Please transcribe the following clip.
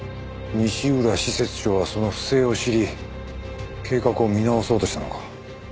西浦施設長はその不正を知り計画を見直そうとしたのか。